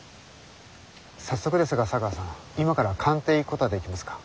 早速ですが茶川さん今から官邸へ行くことはできますか？